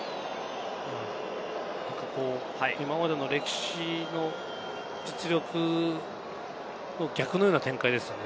今までの、歴史と実力の逆のような展開ですね。